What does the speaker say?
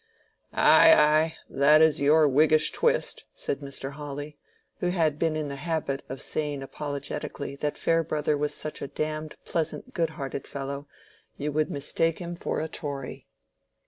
"Ay, ay, that is your Whiggish twist," said Mr. Hawley, who had been in the habit of saying apologetically that Farebrother was such a damned pleasant good hearted fellow you would mistake him for a Tory.